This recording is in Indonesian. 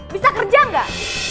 bisa kerja gak